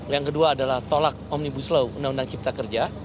yang kedua adalah tolak omnibus law undang undang cipta kerja